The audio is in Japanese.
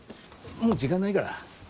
もう時間ないから。